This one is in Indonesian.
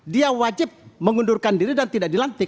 dia wajib mengundurkan diri dan tidak dilantik